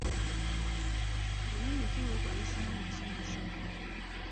Lulimi ki lw’akozesa ng’asomesa?